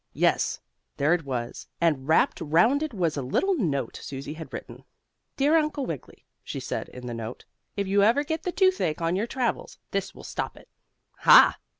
Yes, there it was, and wrapped ground it was a little note Susie had written. "Dear Uncle Wiggily," she said in the note, "if you ever get the toothache on your travels, this will stop it." "Ha!